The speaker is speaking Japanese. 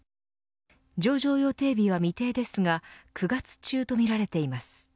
上場予定日は未定ですが９月中とみられています。